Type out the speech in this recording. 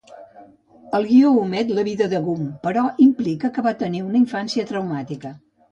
El guió omet la vida de Gumb, però implica que va tenir una infància traumàtica.